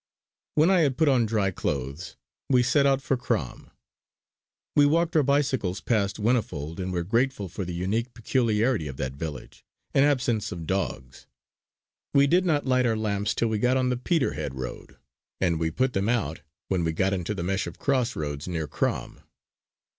When I had put on dry clothes, we set out for Crom. We walked our bicycles past Whinnyfold, and were grateful for the unique peculiarity of that village, an absence of dogs. We did not light our lamps till we got on the Peterhead road; and we put them out when we got into the mesh of crossroads near Crom.